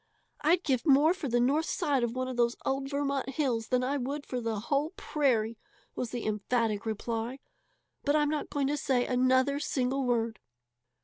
"I'd give more for the north side of one of those old Vermont hills than I would for the whole prairie!" was the emphatic reply. "But I'm not going to say another single word."